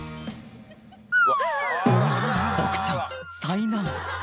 ボクちゃん災難